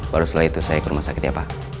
baru setelah itu saya ke rumah sakit ya pak